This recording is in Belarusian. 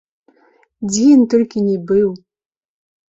Дзе ён толькі ні быў!